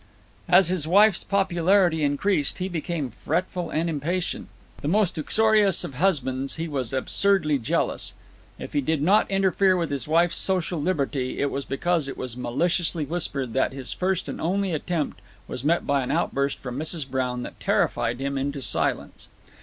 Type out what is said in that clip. As his wife's popularity increased, he became fretful and impatient. The most uxorious of husbands, he was absurdly jealous. If he did not interfere with his wife's social liberty, it was because it was maliciously whispered that his first and only attempt was met by an outburst from Mrs. Brown that terrified him into silence.